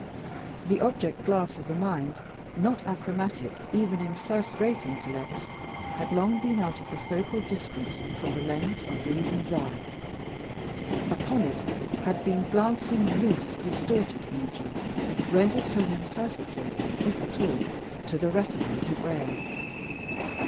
That object glass of the mind not achromatic even in first rate intellects had long been out of the focal distance from the lens of reason's eye. Upon it had been glancing loose distorted images, rendered home imperfectly, if at all, to the retina of the brain.